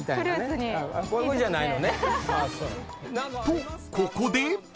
［とここで］